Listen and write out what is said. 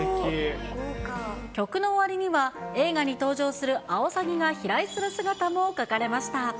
曲の終わりには、映画に登場する青サギが飛来する姿も描かれました。